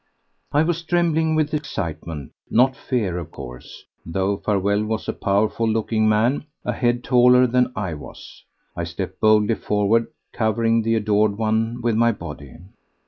I was trembling with excitement—not fear, of course, though Farewell was a powerful looking man, a head taller than I was. I stepped boldly forward, covering the adored one with my body.